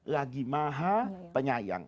lagi maha penyayang